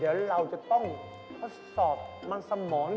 เดี๋ยวเราจะต้องทดสอบมันสมอง